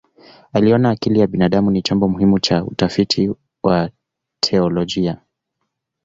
Aliona akili ya binadamu ni chombo muhimu cha utafiti wa teolojia.